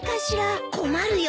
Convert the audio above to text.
困るよ。